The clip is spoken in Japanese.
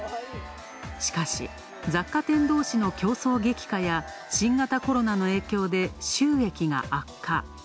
しかし、雑貨店同士の競争激化や新型コロナの影響で収益が悪化。